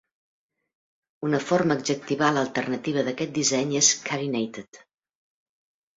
Una forma adjectival alternativa d'aquest disseny és "carinated".